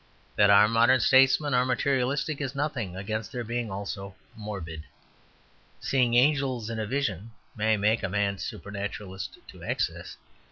That our modern statesmen are materialistic is nothing against their being also morbid. Seeing angels in a vision may make a man a supernaturalist to excess.